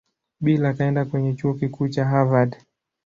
Bill akaenda kwenye Chuo Kikuu cha Harvard.